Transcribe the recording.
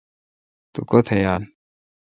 تو کوتھ یال۔